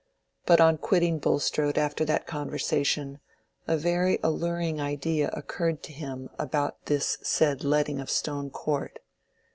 But on quitting Bulstrode after that conversation, a very alluring idea occurred to him about this said letting of Stone Court.